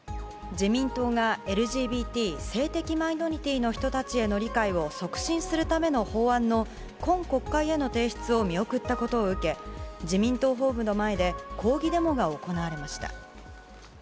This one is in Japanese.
自民党が、ＬＧＢＴ・性的マイノリティーの人たちへの理解を促進するための法案の今国会への提出を見送ったことを受けて自民党本部の前で抗議デモが行われました。